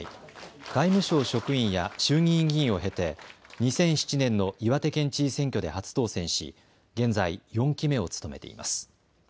外務省職員や衆議院議員を経て２００７年の岩手県知事選挙で初当選し現在４期目を務めています。